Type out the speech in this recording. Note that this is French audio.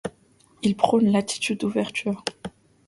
Il prône l'attitude d'ouverture.